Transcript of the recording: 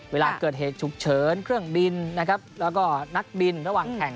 เวลาเกิดเหตุฉุกเฉินเครื่องบินนะครับแล้วก็นักบินระหว่างแข่ง